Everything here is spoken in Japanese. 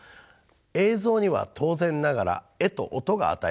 映像には当然ながら絵と音が与えられます。